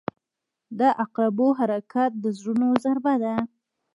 • د عقربو حرکت د زړونو ضربه ده.